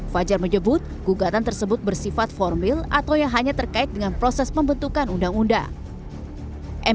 fajar menyebut gugatan tersebut bersifat formil atau yang hanya terkait dengan proses pembentukan undang undang